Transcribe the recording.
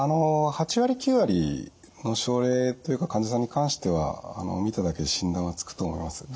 ８割９割の症例というか患者さんに関しては見ただけで診断はつくと思います。